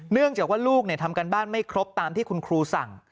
เนื่องจากว่าลูกทำการบ้านไม่ครบตามที่คุณครูสั่ง